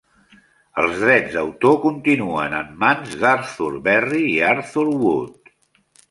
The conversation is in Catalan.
Els drets d'autor continuen en mans d'Arthur Berry i Arthur Wood.